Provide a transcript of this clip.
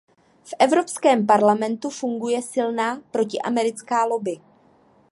V Evropském parlamentu funguje silná protiamerická lobby.